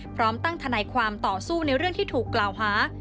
พร้อมตั้งทนายความต่อสู้ในเรื่องที่ถูกกล่าวหา